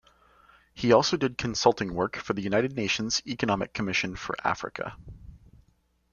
He also did consulting work for the United Nations Economic Commission for Africa.